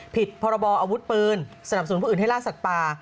พรบออาวุธปืนสนับสนุนผู้อื่นให้ล่าสัตว์ป่า